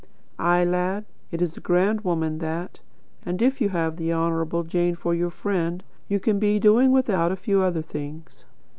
Ay, lad, it's a grand woman that; and if you have the Honourable Jane for your friend, you can be doing without a few other things."